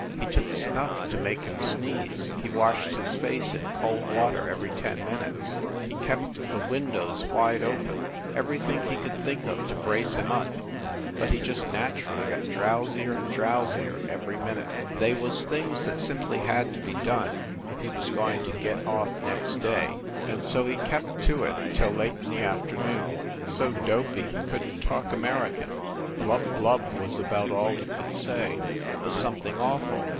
He took snuff to make him sneeze, he washed his face in cold water every ten minutes, he kept the windows wide open everything he could think of to brace him up, but he just naturally got drowsier and drowsier every minute. They was things that simply had to be done, if he was going to git off next day, and so he kept to it till late in the afternoon, so dopey he couldn t talk American. "Blub blub" was about all he could say. It was something awful.